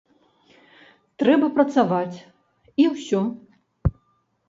Трэба працаваць і ўсё!